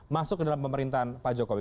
masuk ke dalam pemerintahan pak jokowi